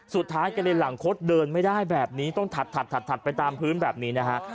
กระเด็นหลังคดเดินไม่ได้แบบนี้ต้องถัดไปตามพื้นแบบนี้นะฮะ